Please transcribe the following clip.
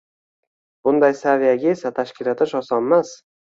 Bunday saviyaga esa tashkil etish osonmas.